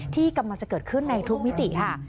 ที่กำลังจะเกิดขึ้นในทุกมิติค่ะ